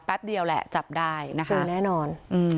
เดียวแหละจับได้นะคะแน่นอน